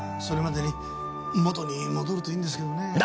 それまでに元に戻るといいんですけどね。